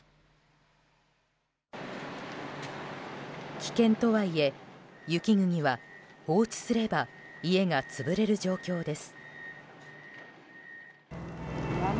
危険とはいえ、雪国は放置すれば家が潰れる状況です。